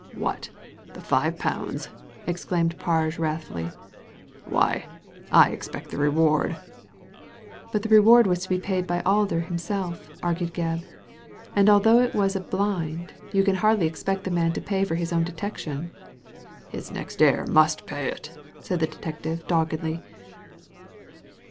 *' What, the five pounds !" exclaimed Parge, wrath fuUy. " Why, I expect the reward." " But the reward was to be paid by Alder himself," argued Gebb ;and although it was a blind, you can hardly expect the man to pay for his own detection." '^His next heir must pay itl" said the ex* detective, doggedly.